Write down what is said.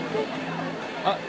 あっ。